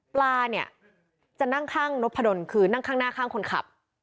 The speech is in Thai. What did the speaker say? ปลาเนี่ยจะนั่งข้างนพดลคือนั่งข้างหน้าข้างคนขับ